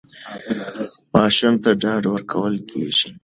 ماشوم ته ډاډ ورکول کېږي.